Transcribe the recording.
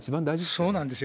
そうなんですよ。